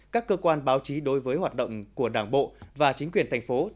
các cơ quan báo chí đối với hoạt động của đảng bộ và chính quyền thành phố